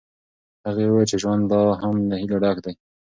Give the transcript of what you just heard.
هغې وویل چې ژوند لا هم له هیلو ډک دی.